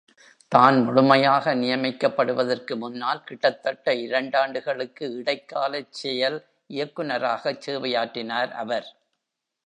தான் முழுமையாக நியமிக்கப்படுவதற்குமுன்னால், கிட்டத்தட்ட இரண்டாண்டுகளுக்கு இடைக்காலச் செயல் இயக்குநராகச் சேவையாற்றினார் அவர்.